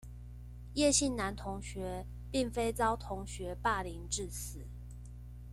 葉姓男同學並非遭同學霸凌致死